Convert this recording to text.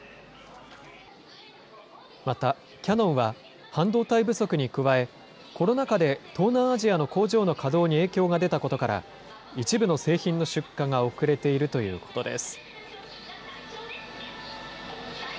また、キヤノンは半導体不足に加え、コロナ禍で東南アジアの工場の稼働に影響が出たことから、一部の製品の出荷が遅れているということです。